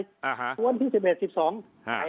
ย้วนที่๑๑๑๒